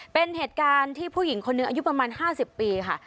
เป็นเหตุการณ์ที่ผู้หญิงคนหนึ่งอายุประมาณ๕๐ปีค่ะ